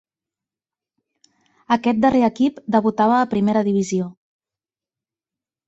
Aquest darrer equip debutava a primera divisió.